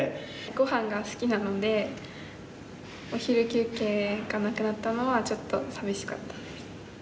ごはんが好きなのでお昼休憩がなくなったのはちょっと寂しかったです。